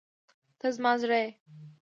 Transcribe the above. ته زما زړه یې.